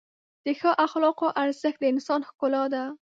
د ښو اخلاقو ارزښت د انسان ښکلا ده.